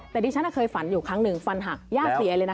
แต่ดิฉันเคยฝันอยู่ครั้งหนึ่งฟันหักย่าเสียเลยนะ